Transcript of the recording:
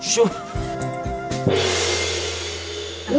ชู่